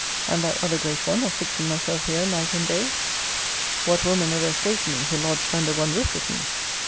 And that other great one, of fixing myself here night and day? What woman ever escaped me, who lodged under one roof with me?